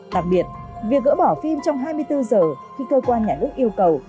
đặc biệt việc gỡ bỏ phim trong hai mươi bốn giờ khi cơ quan nhà nước yêu cầu